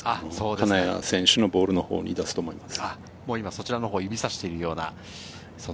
金谷選手のボールのほうに出すと思います。